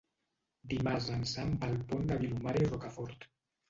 Dimarts en Sam va al Pont de Vilomara i Rocafort.